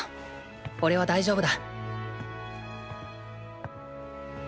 おれは大丈夫だ。